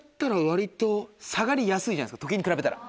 時計に比べたら。